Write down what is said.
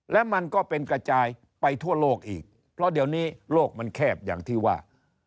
และมันก็เป็นกระจายไปทั่วโลกอีกเพราะเดี๋ยวนี้โลกมันแคบอย่างที่ว่า